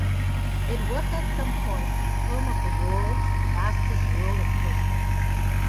It was at some point home of the world's fastest roller coaster.